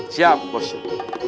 siap bos jun